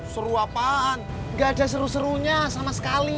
seru apaan gak ada serunya sama sekali